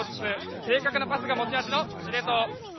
正確なパスが持ち味の司令塔。